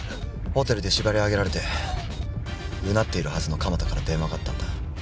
ホテルで縛り上げられてうなっているはずの蒲田から電話があったんだ。